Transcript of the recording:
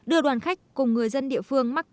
đưa đoàn khách cùng người dân địa phương mắc kẹt